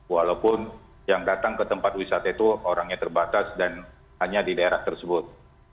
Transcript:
walaupun yang datang ke tempat wisata itu orangnya terbatas dan hanya di daerah tersebut